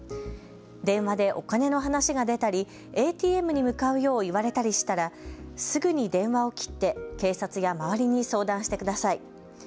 電話でお金の話が出たりＡＴＭに向かうよう言われたりしたらすぐに電話を切って警察や周りに相談してください。